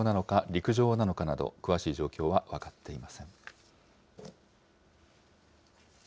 陸上なのかなど、詳しい状況は分かっていません。